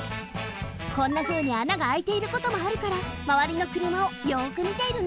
こんなふうにあながあいていることもあるからまわりのくるまをよくみているんだって。